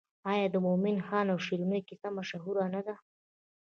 آیا د مومن خان او شیرینو کیسه مشهوره نه ده؟